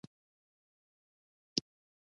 د نورو بر خلاف لومه کې نه لویېږي